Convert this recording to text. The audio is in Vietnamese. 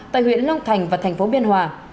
tây huyện long thành và thành phố biên hòa